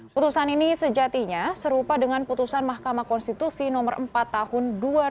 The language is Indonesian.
putusan ini sejatinya serupa dengan putusan mahkamah konstitusi nomor empat tahun dua ribu sembilan